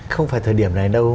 không phải thời điểm này đâu